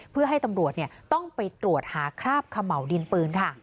เพื่อให้ตำรวจต้องไปตรวจหาคราบเขม่าวดินปืนค่ะ